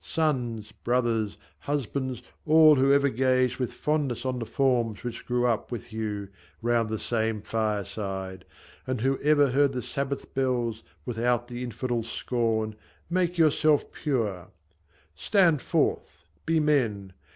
Sons, brothers, husbands, all Who ever gazed with fondness on the forms Which grew up with you round the same fire side, And all who ever heard the sabbath bells Without the infidel's scorn, make yourselves pure ! Stand forth ! be men